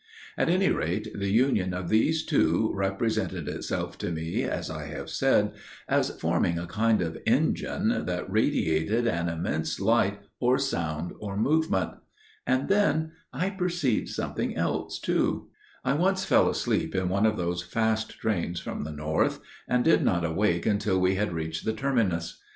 "At any rate the union of these two represented itself to me, as I have said, as forming a kind of engine that radiated an immense light or sound or movement. And then I perceived something else too. "I once fell asleep in one of those fast trains from the north, and did not awake until we had reached the terminus.